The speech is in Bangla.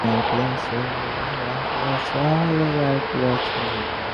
না, শার্লেট, আমার কথা শুনো।